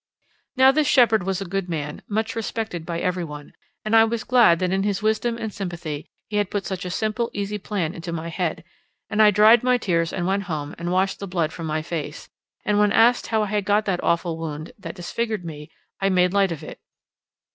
Now this shepherd was a good man, much respected by every one, and I was glad that in his wisdom and sympathy he had put such a simple, easy plan into my head, and I dried my tears and went home and washed the blood from my face, and when asked how I had got that awful wound that disfigured me I made light of it.